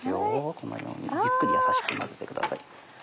このようにゆっくり優しく混ぜてください。